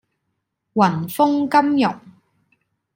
雲鋒金融